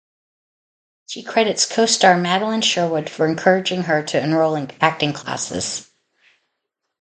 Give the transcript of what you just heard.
She credits co-star Madeleine Sherwood for encouraging her to enroll in acting classes.